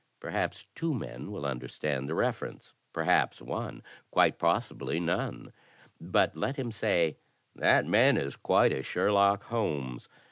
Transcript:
Perhaps two men will understand the reference; perhaps one; quite possibly none. But let him say *That man is quite a Sherlock Holmes.'